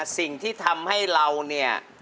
สิ่งที่ทำให้เราเนี่ย